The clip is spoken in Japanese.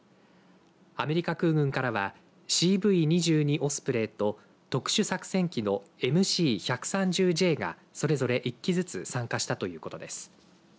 アメリカ空軍からはＣＶ２２オスプレイと特殊作戦機のＭＣ１３０Ｊがそれぞれ１機ずつ参加したということです。